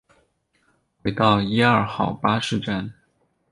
回到一二号巴士站